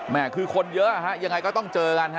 คือคนเยอะฮะยังไงก็ต้องเจอกันฮะ